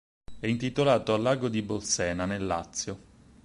È intitolato al lago di Bolsena, nel Lazio.